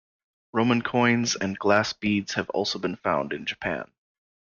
Roman coins and glass beads have also been found in Japan.